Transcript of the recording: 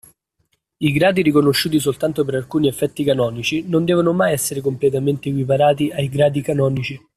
I gradi riconosciuti soltanto per alcuni effetti canonici non devono mai essere completamente equiparati ai gradi canonici.